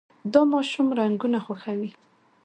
دا ماشوم رنګونه خوښوي.